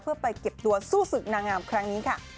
เพื่อไปเก็บตัวสู้ศึกนางงามครั้งนี้ค่ะ